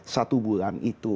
satu bulan itu